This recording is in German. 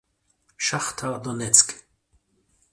Schachtar Donezk